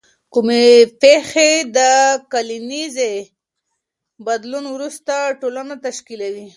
کومې پیښې د کلنیزې بدلون وروسته ټولنه تشکیلوي؟